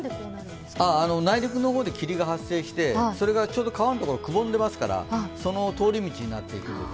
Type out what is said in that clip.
内陸の方で霧が発生して、ちょうど川のところがくぼんでいますからその通り道になっていくので。